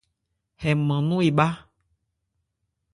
Hɛ nman nɔn e bhá.